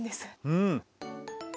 うん。